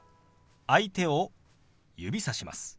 相手を指さします。